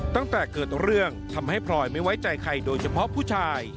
ตั้งแต่เกิดเรื่องทำให้พลอยไม่ไว้ใจใครโดยเฉพาะผู้ชาย